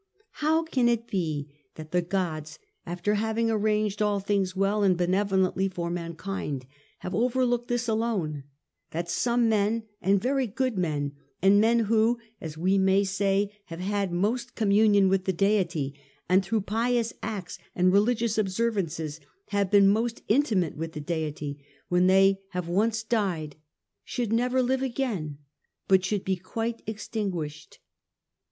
' How can it be that the gods, after having arranged all things well and benevolently for mankind, have over looked this alone, that some men, and very good men, and men who, as we may say, have had most communion with the Deity, and through pious acts and religious observances have been most intimate with the Deity, when they have once died should never live again, but should be quite extinguished